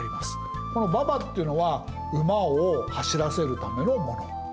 この馬場っていうのは馬を走らせるためのもの。